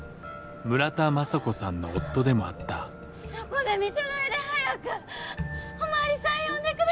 村田正子さんの夫でもあったそこで見てないで早くお巡りさん呼んでください。